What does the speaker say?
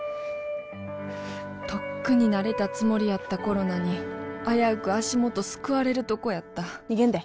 とっくに慣れたつもりやったコロナに危うく足元すくわれるとこやった逃げんで。